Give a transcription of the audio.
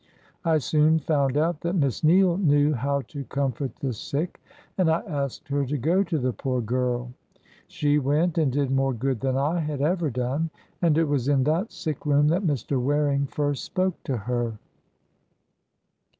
I soon found out that Miss Neale knew how to comfort the sick, and I asked her to go to the poor girl. She went, and did more good than I had ever done. And it was in that sick room that Mr. Waring first spoke to her."